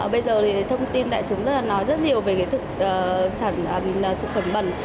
bây giờ thì thông tin đại chúng rất là nói rất nhiều về thực phẩm bẩn